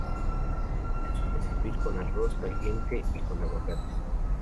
Se suele servir con arroz caliente y con aguacates.